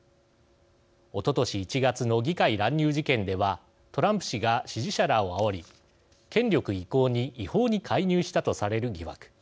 おととし１月の議会乱入事件ではトランプ氏が支持者らをあおり権力移行に違法に介入したとされる疑惑。